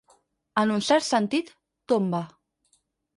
En un cert sentit, tomba.